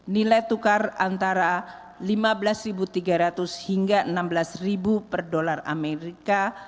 nilai tukar antara lima belas tiga ratus hingga enam belas per dolar amerika